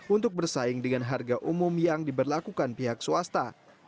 untuk bersaing dengan harga umum yang diberlakukan pihak swasta